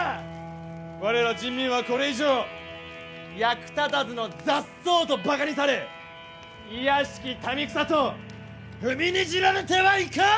我ら人民はこれ以上役立たずの雑草とバカにされ卑しき民草と踏みにじられてはいかん！